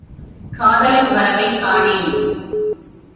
காதலன் வரவைக் காணேன்!